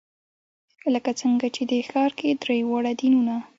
لکه څنګه چې دې ښار کې درې واړه دینونه.